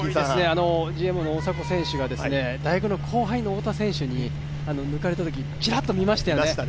ＧＭＯの大迫選手が大学の太田選手に抜かれたときにちらっと見ましたよね。